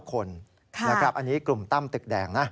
ก็ถือละครับกลุ่มตั้มตึกแดงนะ